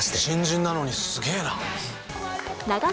新人なのにすげえな。